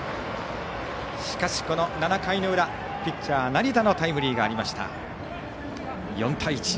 しかし、この７回の裏ピッチャー、成田のタイムリーがあって４対１。